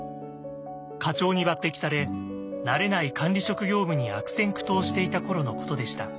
課長に抜てきされ慣れない管理職業務に悪戦苦闘していた頃のことでした。